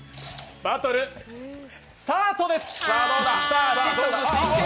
バトルスタートです。